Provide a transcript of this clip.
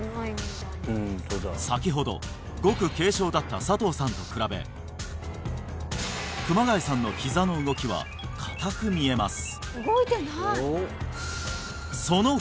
先ほどごく軽症だった佐藤さんと比べ熊谷さんのひざの動きは硬く見えます